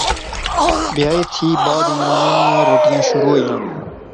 بیاہے تھی بعد عمرانے نیاں روٹیاں شروع ہوئیاں